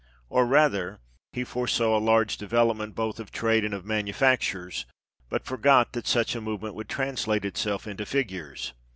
Or rather, he foresaw a large development both of trade and of .manufactures, but forgot that such a movement would translate itself into figures.